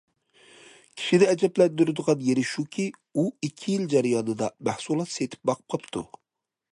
كىشىنى ئەجەبلەندۈرىدىغان يېرى شۇكى، ئۇ ئىككى يىل جەريانىدا مەھسۇلات سېتىپ باقماپتۇ.